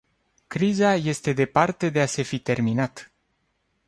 Criza este departe de a se fi terminat.